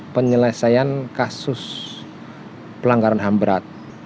penyelesaian kasus pelanggaran ham berat